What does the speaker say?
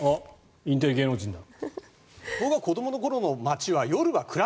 インテリ芸能人だ。